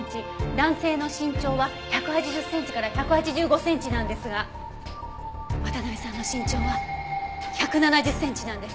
男性の身長は１８０センチから１８５センチなんですが渡辺さんの身長は１７０センチなんです。